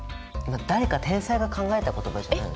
誰か天才が考えた言葉じゃないの？